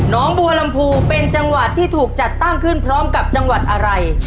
น้องบัวลำพูเป็นจังหวัดที่ถูกจัดตั้งขึ้นพร้อมกับจังหวัดอะไร